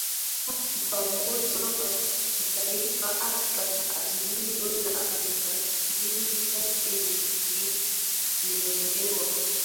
Afrika umoja wa kitaifa Afrika na Azimio la ArushaKiini chake ni hiki Tumeonewa